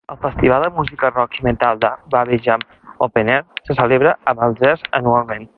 El festival de música rock i metal de Wavejam Openair se celebra a Balzers anualment.